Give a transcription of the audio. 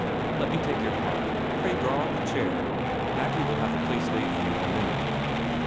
Let me take your hat; pray draw up a chair. Maggie will have a place laid for you in a minute."